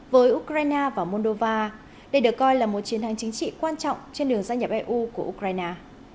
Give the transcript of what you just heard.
với ukraine và moldova đây được coi là một chiến thắng chính trị quan trọng trên đường gia nhập eu của ukraine